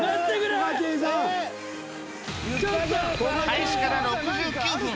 開始から６９分